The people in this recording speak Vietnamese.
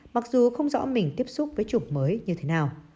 mặc dù không rõ mình tiếp xúc với chủng mới như thế nào